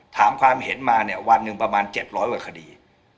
ถามความเห็นมาวันหนึ่งประมาณ๗๐๐วันคดี